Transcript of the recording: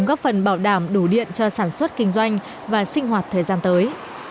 góp phần bảo đảm đủ điện cho sản xuất kinh doanh và sinh hoạt thời gian tới